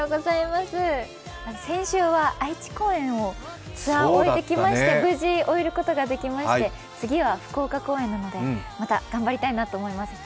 先週は愛知公演をツアーを終えてきまして無事終えることができまして次は福岡公演なのでまた頑張りたいと思います。